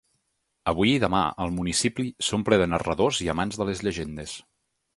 Avui i demà el municipi s’omple de narradors i amants de les llegendes.